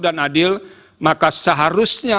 dan adil maka seharusnya